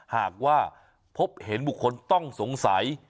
หากว่าพบเห็นบุคคลต้องสงสัย